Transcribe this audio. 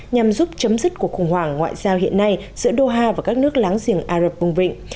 nhằm giúp chấm dứt cuộc khủng hoảng ngoại giao hiện nay giữa doha và các nước láng giềng ả rập bùng vịnh